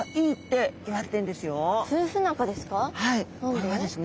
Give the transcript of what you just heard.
これはですね